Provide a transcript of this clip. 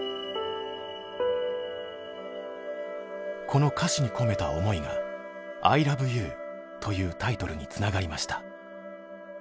この歌詞に込めた思いが「アイラブユー」というタイトルにつながりました。